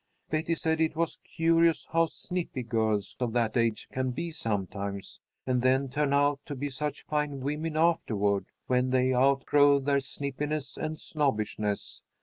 "Betty said it was curious how snippy girls of that age can be sometimes, and then turn out to be such fine women afterward, when they outgrow their snippiness and snobbishness.